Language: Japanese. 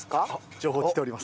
情報来ております。